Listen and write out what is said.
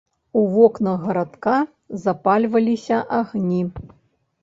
У вокнах гарадка запальваліся агні.